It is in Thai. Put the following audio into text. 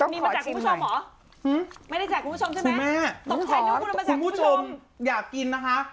มีมาจากคุณผู้ชมหรอไม่ได้จากคุณผู้ชมใช่ไหมคุณผู้ชมอยากกินนะคะ